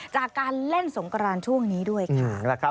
จากการเล่นสงกรานช่วงนี้ด้วยค่ะ